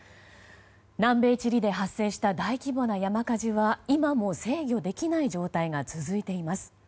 南米チリで発生した大規模な山火事は今も制御できない状態が続いています。